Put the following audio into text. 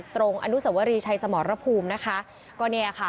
ตรงอนุสวรีชัยสมรภูมินะคะ